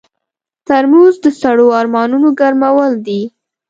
ترموز د سړو ارمانونو ګرمول دي.